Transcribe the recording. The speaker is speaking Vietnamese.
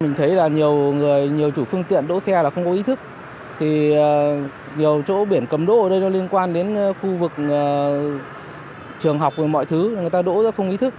nhiều chỗ biển cầm đỗ ở đây liên quan đến khu vực trường học và mọi thứ người ta đỗ rất không ý thức